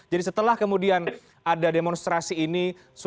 setelah kemudian ada demonstrasi ini